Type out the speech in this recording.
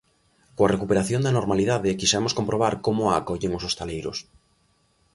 Coa recuperación da normalidade quixemos comprobar como a acollen os hostaleiros.